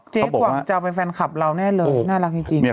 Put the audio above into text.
เจ๊กว่าจะเป็นแฟนคลับเราแน่เลยน่ารักจริง